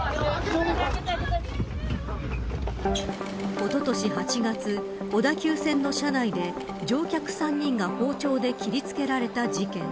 おととし８月小田急線の車内で乗客３人が包丁で切りつけられた事件。